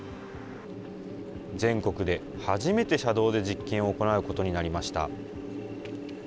全国で初めて車道で実験を行うことになりました。